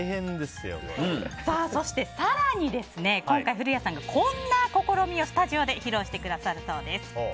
そして更に今回、古谷さんがこんな試みをスタジオで披露してくださるそうです。